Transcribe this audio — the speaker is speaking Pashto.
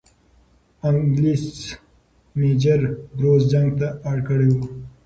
انګلیس میجر بروز جنگ ته اړ کړی وو.